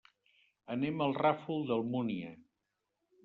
Anem al Ràfol d'Almúnia.